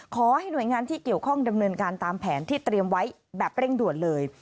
ขอให้หน่วยงานที่เกี่ยวข้องดำเนินการตามแผนที่เตรียมไว้แบบเร่งด่วนเลย